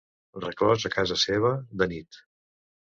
Reclòs a casa seva, de nit.